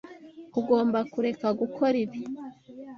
Ugomba kureka gukora ibi.